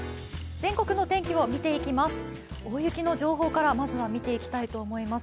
全国の天気を見ていきます。